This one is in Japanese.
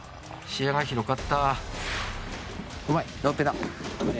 視野が広かった。